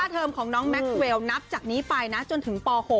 เทอมของน้องแม็กซเวลนับจากนี้ไปนะจนถึงป๖